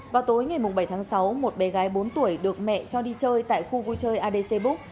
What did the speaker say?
vào tối ngày bảy tháng sáu một bé gái bốn tuổi được mẹ cho đi chơi tại khu vui chơi adc book